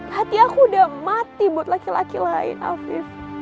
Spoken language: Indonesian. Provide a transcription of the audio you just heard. hati aku udah mati buat laki laki lain afif